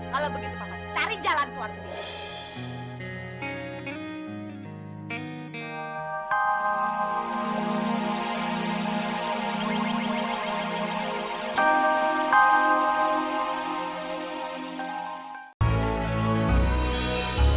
kalau begitu papa cari jalan